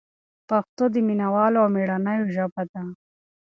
پښتو د مینه والو او مېړنیو ژبه ده.